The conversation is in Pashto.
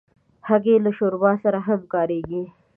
هګۍ له شوربا سره هم کارېږي.